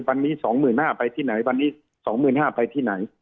วันนี้๒๕๐๐ไปที่ไหนวันนี้๒๕๐๐ไปที่ไหน